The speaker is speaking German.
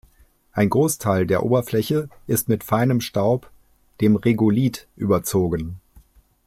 Ein Großteil der Oberfläche ist mit feinem Staub, dem Regolith, überzogen.